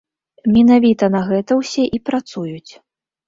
Менавіта на гэта ўсе і працуюць.